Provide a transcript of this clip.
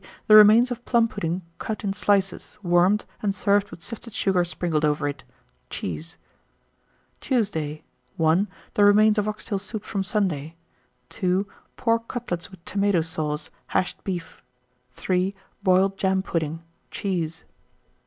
The remains of plum pudding cut in slices, warmed, and served with sifted sugar sprinkled over it. Cheese. 1919. Tuesday. 1. The remains of ox tail soup from Sunday. 2. Pork cutlets with tomato sauce; hashed beef. 3. Boiled jam pudding. Cheese.